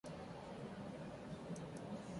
Shahrukh Khan